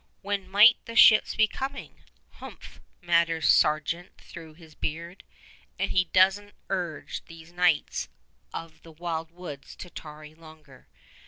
When might the ships be coming? "Humph," mutters Sargeant through his beard; and he does n't urge these knights of the wild woods to tarry longer.